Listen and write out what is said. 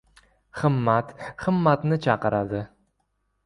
Himmat himmatni chaqiradi.